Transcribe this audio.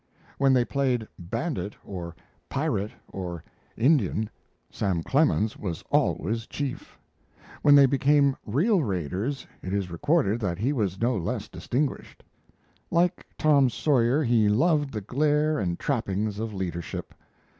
When they played "Bandit" or "Pirate" or "Indian," Sam Clemens was always chief; when they became real raiders it is recorded that he was no less distinguished. Like Tom Sawyer, he loved the glare and trappings of leadership.